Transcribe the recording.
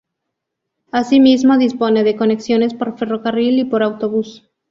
Asimismo dispone de conexiones por ferrocarril y por autobús.